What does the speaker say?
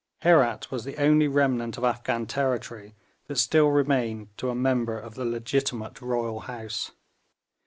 Herat was the only remnant of Afghan territory that still remained to a member of the legitimate royal house.